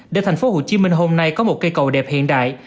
để thành phố hồ chí minh hôm nay có một cây cầu đẹp hiện đại